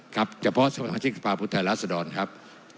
ครับเฉพาะสมาชิกสภาพุทธแห่งรัฐสดรครับ